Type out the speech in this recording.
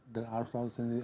dan arus laut sendiri